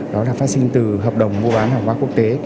đó là phát sinh từ hợp đồng mua bán hàng hóa quốc tế